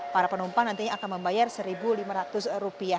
para penumpang nantinya akan membayar rp satu lima ratus